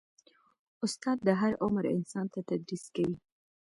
استاد د هر عمر انسان ته تدریس کوي.